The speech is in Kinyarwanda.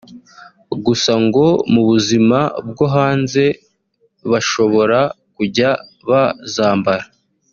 gusa ngo mu buzima bwo hanze bashobora kujya bazambara